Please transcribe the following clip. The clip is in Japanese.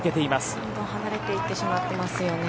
どんどん離れていってしまってますよね。